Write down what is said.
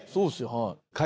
はい。